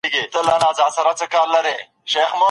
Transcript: په قلم لیکنه کول د وړو ګامونو ایښودل دي چي لوی منزل ته رسیږي.